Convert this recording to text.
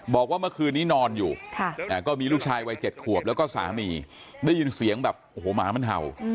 บอกว่าเมื่อคืนนี้นอนอยู่ก็มีลูกชายวัย๗ขวบแล้วก็สามีได้ยินเสียงแบบโอ้โหหมามันเห่า